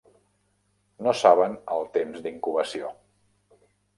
No saben el temps d'incubació.